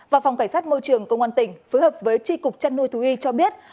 và phòng cảnh sát môi trường công an tỉnh phối hợp với tri cục chăn nuôi thú y cho biết